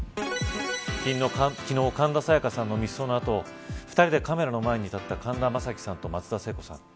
昨日、神田沙也加さんの密葬の後２人でカメラの前に立った神田さんと松田さん。